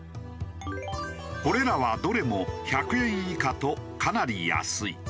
これらはどれも１００円以下とかなり安い。